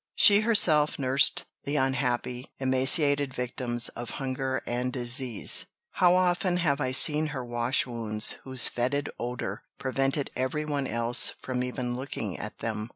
"She herself nursed the unhappy, emaciated victims of hunger and disease. How often have I seen her wash wounds whose fetid odour prevented every one else from even looking at them!